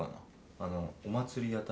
あのお祭り屋台